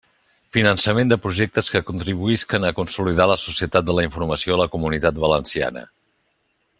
Finançament de projectes que contribuïsquen a consolidar la Societat de la Informació a la Comunitat Valenciana.